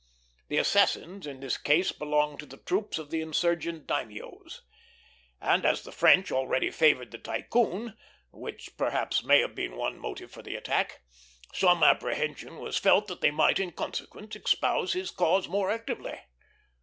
The assassins in this case belonged to the troops of the insurgent daimios; and as the French already favored the Tycoon which perhaps may have been one motive for the attack some apprehension was felt that they might, in consequence, espouse his cause more actively.